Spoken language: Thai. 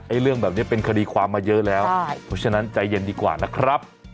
เรื่องแบบนี้เป็นคดีความมาเยอะแล้วเพราะฉะนั้นใจเย็นดีกว่านะครับ